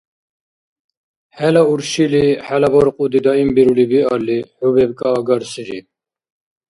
XӀела уршили хӀела баркьуди даимбирули биалли, xӀу бебкӀаагарсири.